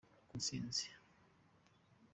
ku ntsinzi.